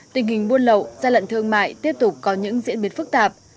tình hình buôn lậu gian lận thương mại tiếp tục có những diễn biến phức tạp